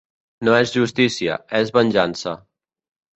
No és justícia, és venjança.